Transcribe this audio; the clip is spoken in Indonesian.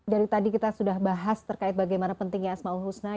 dari tadi kita sudah bahas terkait bagaimana pentingnya asma'ul husna